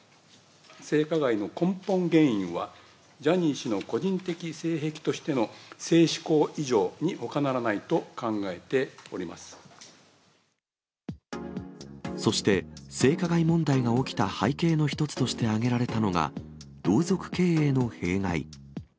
性加害の根本原因は、ジャニー氏の個人的性癖としての性嗜好異常にほかならないと考えそして、性加害問題が起きた背景の一つとして挙げられたのが、同族経営の弊害。